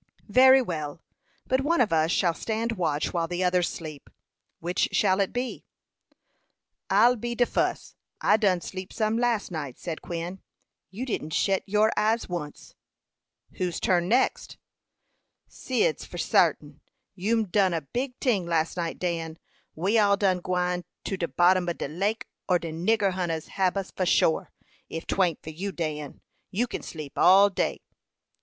"Very well; but one of us shall stand watch while the others sleep. Which shall it be?" "I'll be de fus. I done sleep some last night," said Quin. "You didn't shet your eyes once." "Whose turn next?" "Cyd's, for sartin. You'm did a big ting last night, Dan. We all done gwine to de bottom ob de lake, or de nigger hunters hab us for shore, if 'twan't for you, Dan. You kin sleep all day."